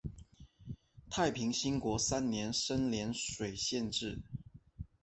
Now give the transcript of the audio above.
太平兴国三年升涟水县置。